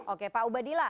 oke pak ubadila